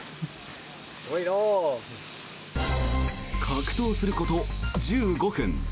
格闘すること１５分。